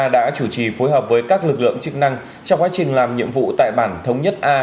đã chủ trì phối hợp với các lực lượng chức năng trong quá trình làm nhiệm vụ tại bản thống nhất a